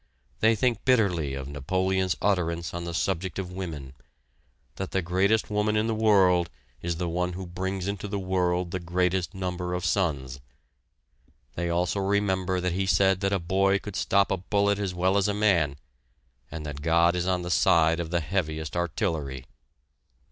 They think bitterly of Napoleon's utterance on the subject of women that the greatest woman in the world is the one who brings into the world the greatest number of sons; they also remember that he said that a boy could stop a bullet as well as a man, and that God is on the side of the heaviest artillery.